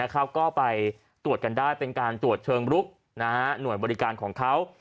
ก็ไปตรวจกันได้เป็นการตรวจเชิงลุกหน่วยบริการของเขา